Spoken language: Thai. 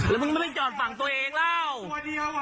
แล้วมึงไม่ได้จอดฝั่งตัวเองแล้ว